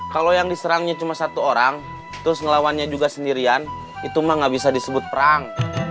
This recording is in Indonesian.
kalau yang diserangnya cuma satu orang terus ngelawannya juga sendirian itu mah gak bisa disebut perang